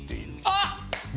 あっ！